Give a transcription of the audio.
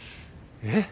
えっ？